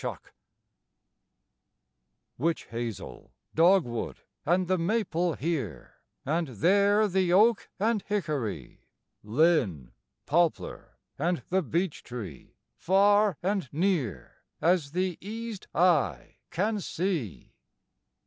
THE WOOD Witch hazel, dogwood, and the maple here; And there the oak and hickory; Linn, poplar, and the beech tree, far and near As the eased eye can see.